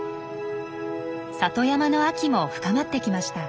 里山の秋も深まってきました。